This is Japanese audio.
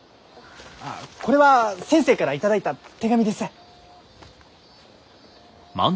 ああこれは先生から頂いた手紙です。